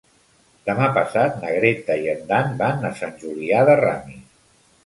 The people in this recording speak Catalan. Demà passat na Greta i en Dan van a Sant Julià de Ramis.